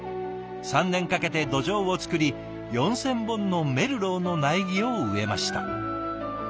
３年かけて土壌を作り４，０００本のメルローの苗木を植えました。